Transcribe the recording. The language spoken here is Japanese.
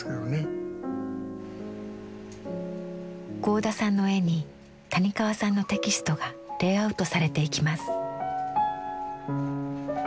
合田さんの絵に谷川さんのテキストがレイアウトされていきます。